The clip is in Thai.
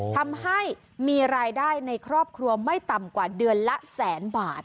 ทำให้มีรายได้ในครอบครัวไม่ต่ำกว่าเดือนละแสนบาท